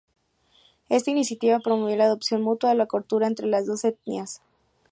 Esta iniciativa promovió la adopción mutua de la cultura entre las dos etnias.